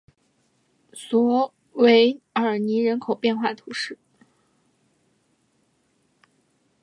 索韦尔尼人口变化图示